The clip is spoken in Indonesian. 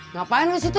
ngapain lu di situ